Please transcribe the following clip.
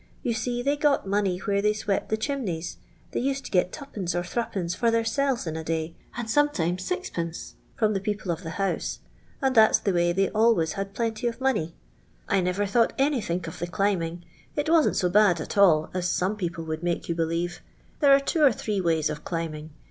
You see they got money where they swept the chimneys; they used to get 2(/. «r 3'^ for theirselvcs in a day, and sometimes 6d. from the })eople of the house, and tliat's the way they always liad plenty of money. I niver thought anythink of the climbing ; it wasn't ss Itad at all as some ]x^opIe would make you belieTs^ Tiiere are two or three Wtiys of climbing.